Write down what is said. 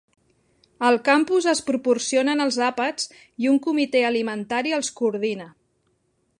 Al campus es proporcionen els àpats i un comitè alimentari els coordina.